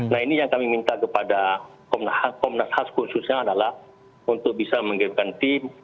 nah ini yang kami minta kepada komnas khususnya adalah untuk bisa mengirimkan tim